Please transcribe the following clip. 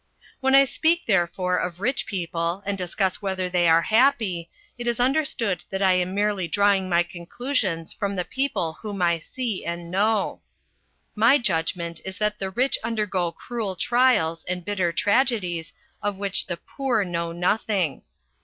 When I speak therefore of rich people and discuss whether they are happy, it is understood that I am merely drawing my conclusions from the people whom I see and know. My judgment is that the rich undergo cruel trials and bitter tragedies of which the poor know nothing.